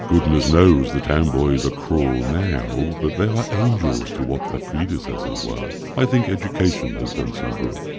Goodness knows the town boys are cruel now, but they are angels to what their predecessors were. I think education has done some good.